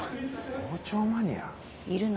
傍聴マニア？いるの。